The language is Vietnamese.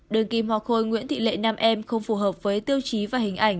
đơn kỳ hòa khôi nguyễn thị lệ nam em không phù hợp với tiêu chí và hình ảnh